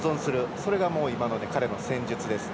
それが彼の戦術ですね。